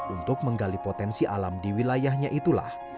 untuk menggali potensi alam di wilayahnya itulah